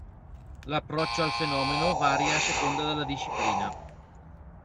L'approccio al fenomeno varia a seconda della disciplina.